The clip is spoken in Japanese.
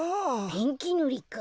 ペンキぬりか。